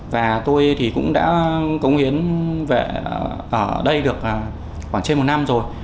và tôi thì cũng đã cống hiến ở đây được khoảng trên một năm rồi